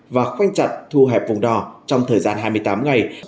và khoanh chặt thu hẹp vùng đò trong thời gian hai mươi tám ngày